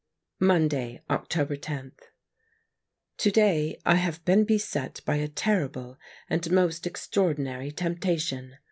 Monday, October 10. — To day I have been beset by a terrible and most extraordinary temptation.